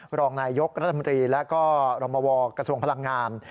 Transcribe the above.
รองนายยกรัฐมนตรีและก็รมวกระทรวงพลังงาน